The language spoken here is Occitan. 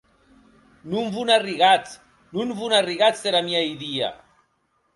Non vo n'arrigatz, non vo n'arrigatz dera mia idia!